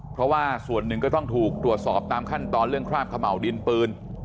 เพราะว่าส่วนหนึ่งก็ต้องถูกตรวจสอบตามขั้นตอนเรื่องคราบเขม่าวดินปืน